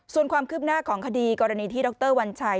ส่วนความคืบหน้าของคดีกรณีที่ดรวัญชัย